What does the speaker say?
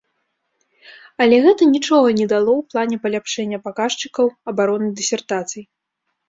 Але гэта нічога не дало ў плане паляпшэння паказчыкаў абароны дысертацый.